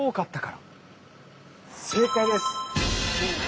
正解です！